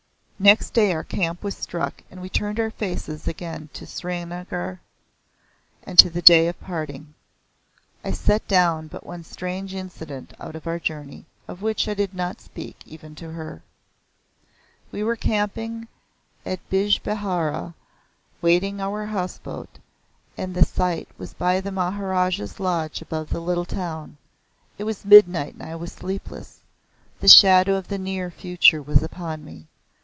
Next day our camp was struck and we turned our faces again to Srinagar and to the day of parting. I set down but one strange incident of our journey, of which I did not speak even to her. We were camping at Bijbehara, awaiting our house boat, and the site was by the Maharaja's lodge above the little town. It was midnight and I was sleepless the shadow of the near future was upon me.